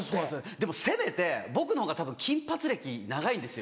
でもせめて僕のほうがたぶん金髪歴長いんですよ。